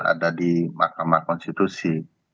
ada di mahkamah konstitusi